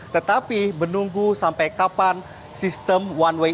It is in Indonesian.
tetapi menunggu sampai kapan sistem one way